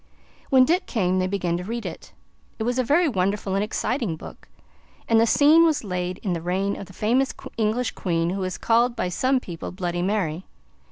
When Dick came they began to read it. It was a very wonderful and exciting book, and the scene was laid in the reign of the famous English queen who is called by some people Bloody Mary.